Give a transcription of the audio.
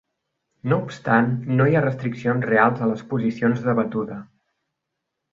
No obstant, no hi ha restriccions reals a les posicions de batuda.